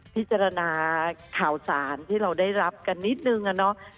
พิจารณาข่าวสารที่เราได้รับกันนิดนึงอะเนาะ